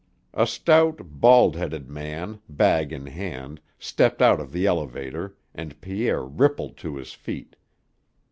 A stout, bald headed man, bag in hand, stepped out of the elevator, and Pierre rippled to his feet.